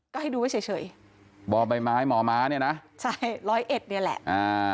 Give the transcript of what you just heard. ก็ให้ดูไว้เฉยเฉยบ่อใบไม้หมอม้าเนี่ยนะใช่ร้อยเอ็ดเนี่ยแหละอ่า